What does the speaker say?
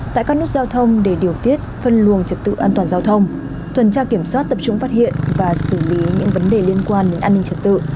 tại các nút giao thông để điều tiết phân luồng trật tự an toàn giao thông tuần tra kiểm soát tập trung phát hiện và xử lý những vấn đề liên quan đến an ninh trật tự